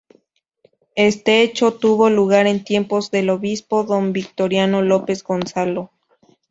Este hecho tuvo lugar en tiempos del Obispo Don Victoriano López Gonzalo.